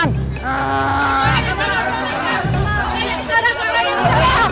jangan kesana tuan